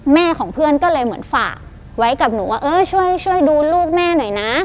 แม่ของเพื่อนก็เลยเหมือนฝากไว้กับหนูว่าเออช่วยดูลูกแม่หน่อยนะ